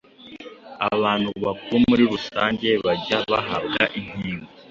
Abantu bakuru muri rusange bajya bahabwa inkingo